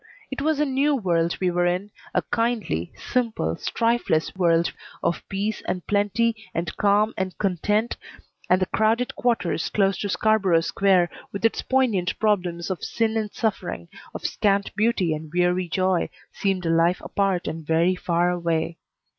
It was a new world we were in a kindly, simple, strifeless world of peace and plenty, and calm and content, and the crowded quarters close to Scarborough Square, with their poignant problems of sin and suffering, of scant beauty and weary joy, seemed a life apart and very far away.